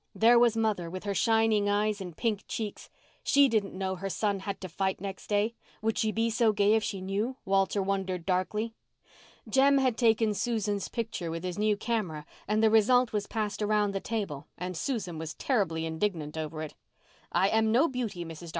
There was mother, with her shining eyes and pink cheeks. She didn't know her son had to fight next day. Would she be so gay if she knew, Walter wondered darkly. Jem had taken Susan's picture with his new camera and the result was passed around the table and Susan was terribly indignant over it. "I am no beauty, Mrs. Dr.